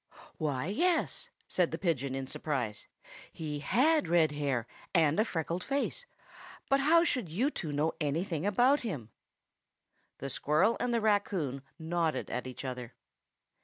"Why, yes!" said the pigeon, in surprise. "He had red hair and a freckled face; but how should you two know anything about him?" The squirrel and the raccoon nodded at each other.